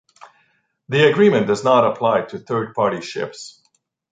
The agreement does not apply to third party ships.